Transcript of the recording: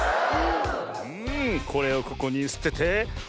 うんこれをここにすててワオー！